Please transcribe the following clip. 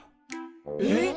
えっ？